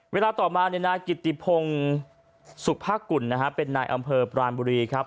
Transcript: เวลาต่อมานายกิติพงศ์สุภากุลนะฮะเป็นนายอำเภอปรานบุรีครับ